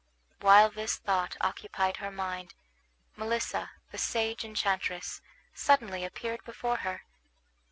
While this thought occupied her mind, Melissa, the sage enchantress, suddenly appeared before her.